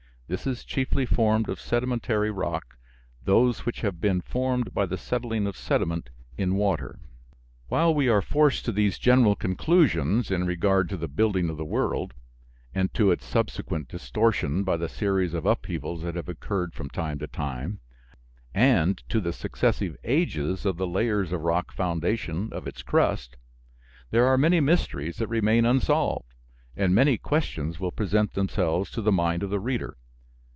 This is chiefly formed of sedimentary rocks those which have been formed by the settling of sediment, in water. While we are forced to these general conclusions in regard to the building of the world, and to its subsequent distortion by the series of upheavals that have occurred from time to time, and to the successive "ages" of the layers of rock foundation of its crust, there are many mysteries that remain unsolved and many questions will present themselves to the mind of the reader.